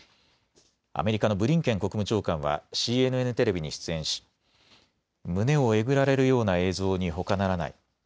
アメリカのブリンケン国務長官はＣＮＮテレビに出演し胸をえぐられるような映像にほかならない。